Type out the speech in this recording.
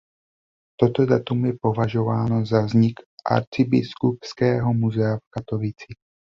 Toto datum je považováno za vznik Arcibiskupského muzea v Katovicích.